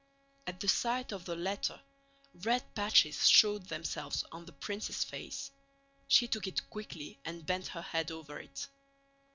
At the sight of the letter red patches showed themselves on the princess' face. She took it quickly and bent her head over it.